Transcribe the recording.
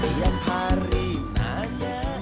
tiap hari nanya anakku